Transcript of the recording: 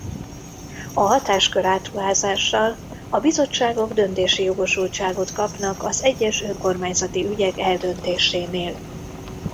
A hatáskör átruházással a bizottságok döntési jogosultságot kapnak az egyes önkormányzati ügyek eldöntésénél.